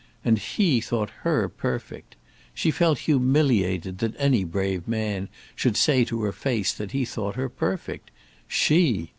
And he thought her perfect! She felt humiliated that any brave man should say to her face that he thought her perfect! She!